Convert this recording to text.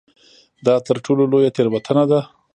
دا تر ټولو لویه تېروتنه ده.